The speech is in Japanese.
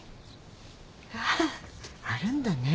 あるんだね。